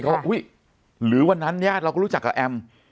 ก็อุ๊ยหรือวันนั้นญาติเราก็รู้จักกับแอม